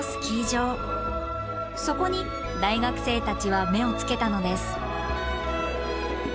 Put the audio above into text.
そこに大学生たちは目をつけたのです。